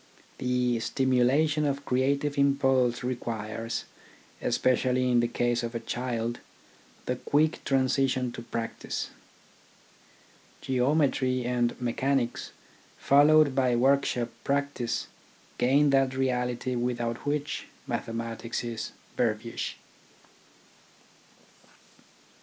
The stimula tion of creative impulse requires, especially in the case of a child, the quick transition to practice. Geometry and mechanics, followed by workshop practice, gain that reality without which mathe matics is verbiage.